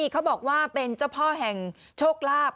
เขาบอกว่าเป็นเจ้าพ่อแห่งโชคลาภ